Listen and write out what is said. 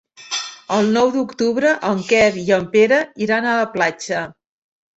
El nou d'octubre en Quer i en Pere iran a la platja.